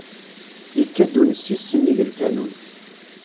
Ikka-d unessis s nnig lkanun.